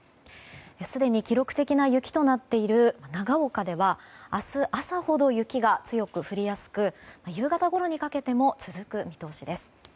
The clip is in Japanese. すでに記録的な雪となっている長岡では明日朝ほど雪が強く降りやすく夕方ごろにかけても続く見通しです。